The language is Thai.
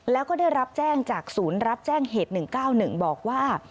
แล้วก็ได้รับแจ้งจากศูนย์รับแจ้งเหตุ๑๙๑บอกว่า